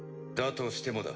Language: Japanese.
としてもだ。